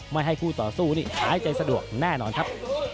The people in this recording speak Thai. ไม่ให้คู่ต่อสู้นี่หายใจสะดวกแน่นอนครับ